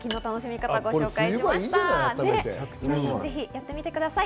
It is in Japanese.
皆さん、ぜひやってみてください。